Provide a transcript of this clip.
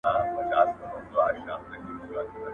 لوى مي کې، لويي مه راکوې.